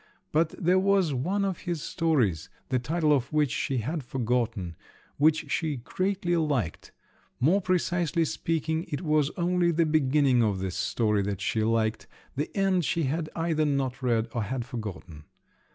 But there was one of his stories, the title of which she had forgotten, which she greatly liked; more precisely speaking, it was only the beginning of this story that she liked; the end she had either not read or had forgotten.